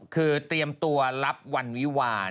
คือเตรียมตัวรับวันวิวาล